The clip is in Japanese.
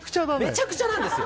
めちゃくちゃなんです。